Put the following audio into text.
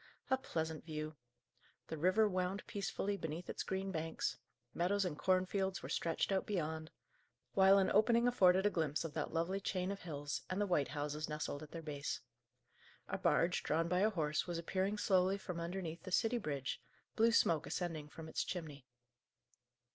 A pleasant view! The river wound peacefully between its green banks; meadows and cornfields were stretched out beyond; while an opening afforded a glimpse of that lovely chain of hills, and the white houses nestled at their base. A barge, drawn by a horse, was appearing slowly from underneath the city bridge, blue smoke ascending from its chimney.